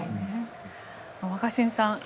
若新さん